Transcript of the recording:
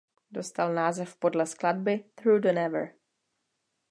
Dostal název podle skladby "Through the Never".